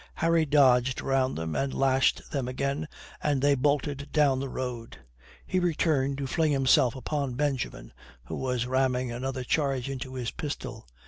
Harry dodged round them and lashed them again, and they bolted down the road. He returned to fling himself upon Benjamin, who was ramming another charge into his pistol.